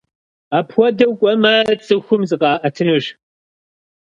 Апхуэдэу кӏуэмэ, цӏыхум зыкъаӏэтынущ.